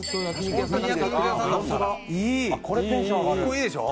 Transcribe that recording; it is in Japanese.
これいいでしょ？